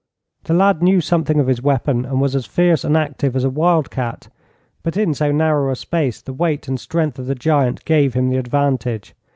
The lad knew something of his weapon, and was as fierce and active as a wild cat, but in so narrow a space the weight and strength of the giant gave him the advantage.